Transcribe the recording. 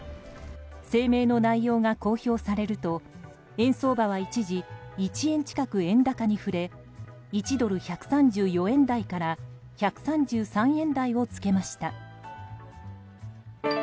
声明の内容が公表されると円相場は一時１円近く円高に振れ１ドル＝１３４円台から１３３円台を付けました。